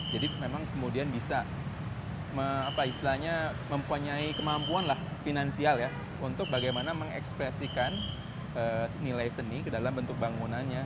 jadi memang kemudian bisa apa istilahnya mempunyai kemampuan lah finansial ya untuk bagaimana mengekspresikan nilai seni ke dalam bentuk bangunannya